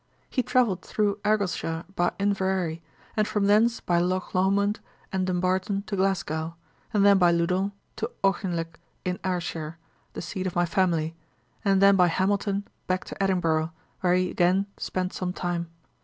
He travelled through Argyleshire by Inverary, and from thence by Lochlomond and Dumbarton to Glasgow, then by Loudon to Auchinleck in Ayrshire, the seat of my family, and then by Hamilton, back to Edinburgh, where he again spent some time.